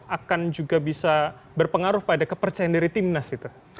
akan juga bisa berpengaruh pada kepercayaan dari timnas itu